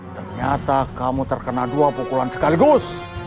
ternyata kamu terkena dua pukulan sekaligus